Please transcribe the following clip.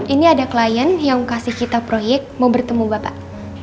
ini ada klien yang kasih kita proyek mau bertemu bapak